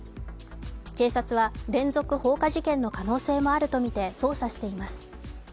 警察は連続放火事件の可能性もあるとみて捜査しています。